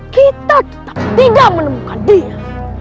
kita tetap tidak menemukan dia